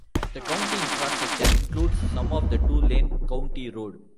The county infrastructure includes some of two lane county road.